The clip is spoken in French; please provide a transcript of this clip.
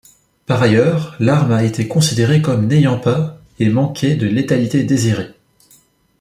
Par ailleurs, l'arme a été considéré comme n'ayant pas, et manquait de létalité désiré.